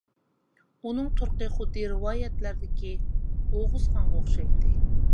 ئۇنىڭ تۇرقى خۇددى رىۋايەتلەردىكى ئوغۇزخانغا ئوخشايتتى.